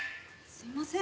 すみません。